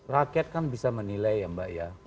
rakyat kan bisa menilai ya mbak ya